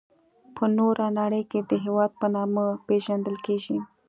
په نوره نړي کي د هیواد په نامه پيژندل کيږي.